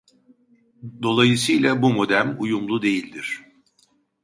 Dolayısı ile bu modem uyumlu değildir